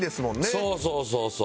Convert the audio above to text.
そうそうそうそう。